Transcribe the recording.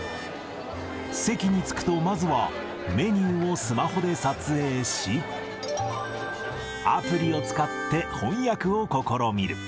席に着くとまずは、メニューをスマホで撮影し、アプリを使って翻訳を試みる。